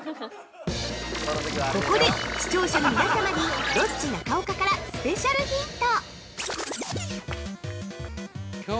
◆ここで視聴者の皆様に、ロッチ中岡からスペシャルヒント。